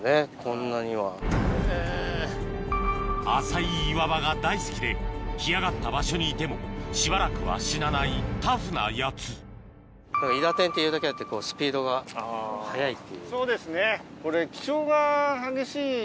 浅い岩場が大好きで干上がった場所にいてもしばらくは死なないタフなやつイダテンっていうだけあってスピードが速いっていう。